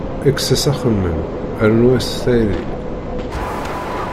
Kkes-as axemmem, rnnu-as tayri.